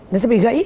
nó sẽ bị gãy